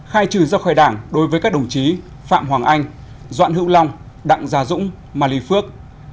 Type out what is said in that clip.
khai trừ ra khỏi đảng đối với các đồng chí phạm hoàng anh doạn hữu long đặng gia dũng mà lý phước